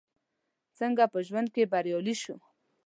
څنګه په ژوند کې بريالي شو ؟